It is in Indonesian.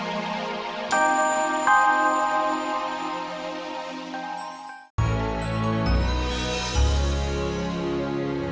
sampai jumpa lagi